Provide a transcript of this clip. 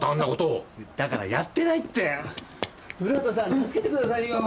助けてくださいよ。